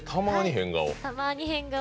「たまーに変顔」。